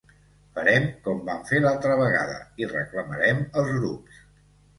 Farem com vam fer l’altra vegada i reclamarem els grups.